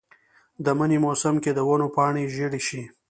د منې موسم کې د ونو پاڼې ژیړې شي.